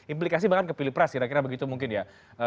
implikasi bahkan ke pilih pras kira kira begitu mungkin ya